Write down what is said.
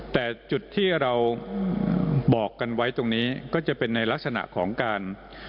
แต่จุดที่เราบอกกันไว้ตรงนี้ก็จะเป็นในลักษณะของการ